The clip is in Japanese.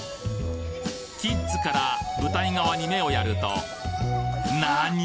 キッズから舞台側に目をやるとなに！